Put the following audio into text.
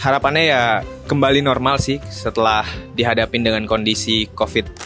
harapannya ya kembali normal sih setelah dihadapin dengan kondisi covid